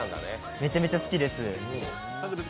めちゃめちゃ好きです。